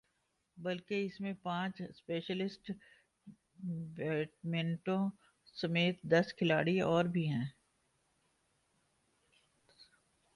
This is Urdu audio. بلکہ اس میں پانچ اسپیشلسٹ بیٹسمینوں سمیت دس کھلاڑی اور بھی ہیں